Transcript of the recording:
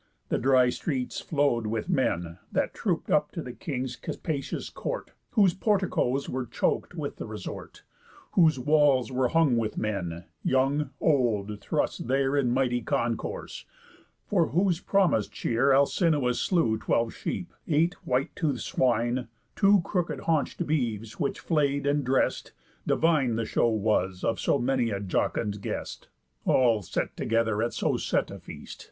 The dry streets flow'd with men, That troop'd up to the king's capacious court, Whose porticos were chok'd with the resort, Whose walls were hung with men, young, old, thrust there In mighty concourse; for whose promis'd cheer Alcinous slew twelve sheep, eight white tooth'd swine, Two crook haunch'd beeves; which flay'd and dress'd, divine The show was of so many a jocund guest, All set together at so set a feast.